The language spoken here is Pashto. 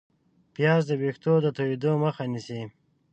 پیاز د ویښتو د تویېدو مخه نیسي